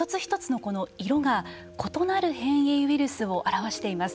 一つ一つの色が異なる変異ウイルスを表しています。